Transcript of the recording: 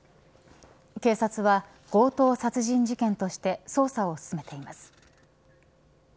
警察は強盗殺人事件として捜査を進めています。